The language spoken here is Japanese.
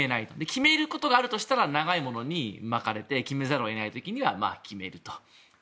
決めることがあるとしたら長いものに巻かれて決めざるを得ない時は決めると。